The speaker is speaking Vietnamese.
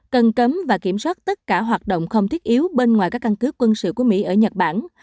cần cấm và kiểm soát tất cả hoạt động không thiết yếu bên ngoài các căn cứ quân sự của mỹ ở nhật bản